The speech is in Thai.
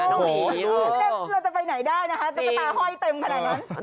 เราจะไปไหนได้นะคะตุ๊กตาห้อยเต็มขนาดนั้น